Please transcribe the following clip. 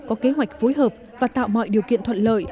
có kế hoạch phối hợp và tạo mọi điều kiện thuận lợi